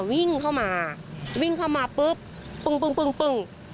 วิ่งเข้ามาปึ๊บปุ๊ม